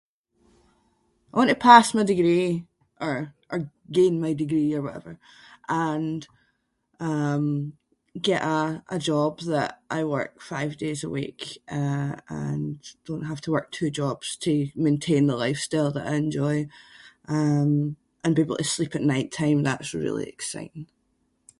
I want to pass my degree or- or gain my degree or whatever. And um get a- a job that I work five days a week uh and don’t have to work two jobs to maintain the lifestyle that I enjoy. Um and be able to sleep at night time, that’s really exciting.